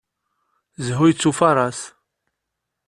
Zhu yettufaṛas.